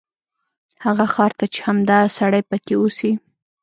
هغه ښار ته چې همدا سړی پکې اوسي.